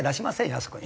あそこに。